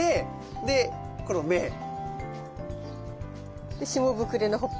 でこの目。で下ぶくれのほっぺ。